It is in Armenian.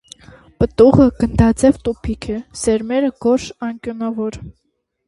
Պտուղը գնդաձև տուփիկ է, սերմերը՝ գորշ, անկյունավոր։